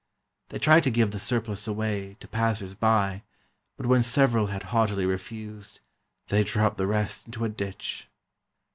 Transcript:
They tried to give the surplus away, to passersby, but when several had haughtily refused, they dropped the rest into a ditch.